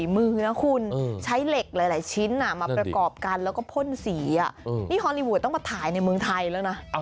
มาประกอบกันแล้วก็พ่นสีนี่ฮอลลี่วูดต้องมาถ่ายในเมืองไทยแล้วนะ